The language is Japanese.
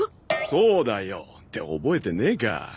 そうだよ。って覚えてねえか。